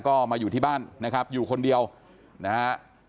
ก็มาอยู่ที่บ้านนะครับอยู่คนเดียวนะฮะ